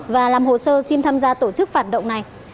và làm hồ sơ xin tham gia tổ chức phản động này